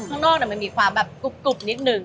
ข้างนอกมันมีความแบบกรุบนิดนึง